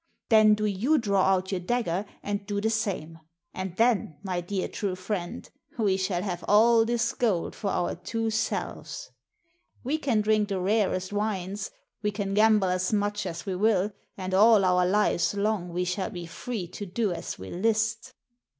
Then do you draw out your dagger and do the same. And then, my dear, true friend, we shall have all this gold for our two selves. We can drink the rarest wines, we can gamble as much as we will, and all our lives long we shall be free to do as we list."